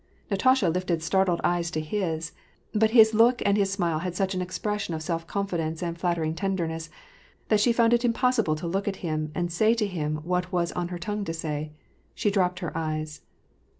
Natasha lifted startled eyes to his ; but his look and his smile had such an expression of self confidence and flattering tenderness that she found it impossible to look at him and say to him what was on her tongue to say. She dropped her eyes.